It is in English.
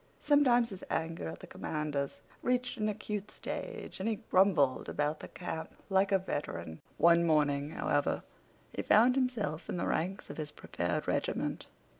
Sometimes his anger at the commanders reached an acute stage, and he grumbled about the camp like a veteran. One morning, however, he found himself in the ranks of his prepared regiment.